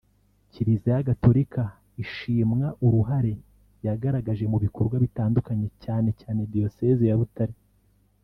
Kiliziya Gatolika ishimwa uruhare yagaragaje mu bikorwa bitandukanye cyane cyane Diyoseze ya Butare